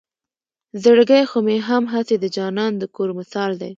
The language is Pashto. زړګے خو مې هم هسې د جانان د کور مثال دے